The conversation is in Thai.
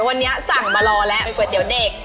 วันนี้สั่งมารอแล้วเป็นก๋วยเตี๋ยวเด็ก